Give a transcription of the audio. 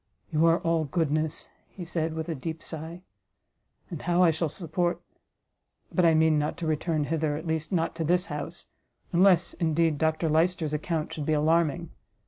"You are all goodness," said he, with a deep sigh; "and how I shall support but I mean not to return hither, at least not to this house, unless, indeed, Dr Lyster's account should be alarming.